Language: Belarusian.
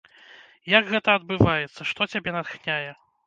Як гэта адбываецца, што цябе натхняе?